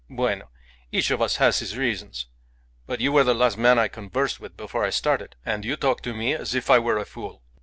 Bueno! Each of us has his reasons. But you were the last man I conversed with before I started, and you talked to me as if I were a fool."